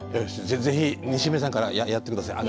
よしぜひ西銘さんからやって下さい。